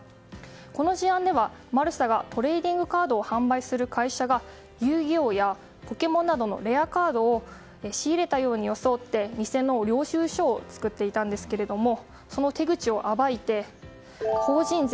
この事案では、マルサがトレーディングカードを販売する会社が「遊戯王」や「ポケモン」などのレアカードを仕入れたように装って偽の領収書を作っていたんですけどもその手口を暴いて法人税